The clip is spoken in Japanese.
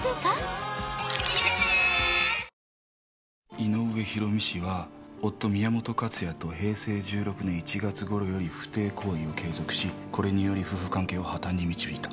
「井上博美氏は夫宮本勝也と平成１６年１月頃より不貞行為を継続しこれにより夫婦関係を破綻に導いた。